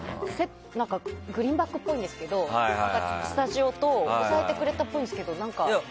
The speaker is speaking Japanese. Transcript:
グリーンバックっぽいですがスタジオ等を押さえてくれたっぽいんですけど。